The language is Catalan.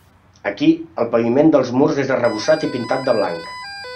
Aquí, el paviment dels murs és arrebossat i pintat de blanc.